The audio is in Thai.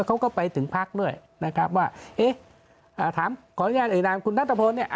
เขาก็ไปถึงพักด้วยนะครับว่าเอ๊ะถามขออนุญาตเอ่ยนามคุณนัทพลเนี่ย